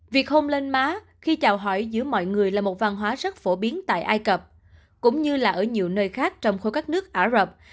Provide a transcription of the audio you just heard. việc hôm lên má khi chào hỏi giữa mọi người là một văn hóa rất phổ biến tại ai cập cũng như là ở nhiều nơi khác trong khối các nước ả rập